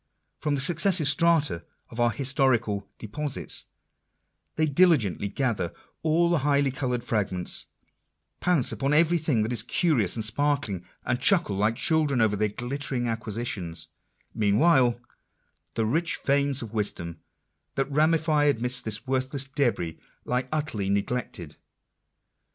From the successive strata of our historical deposits, they diligently gather all the highly coloured fragments, pounce upon every thing that is curious and sparkling, and chuckle like children over their glittering acquisitions ; meanwhile the rich veins of wisdom that ramify amidst this worthless debris, lie utterly neglected.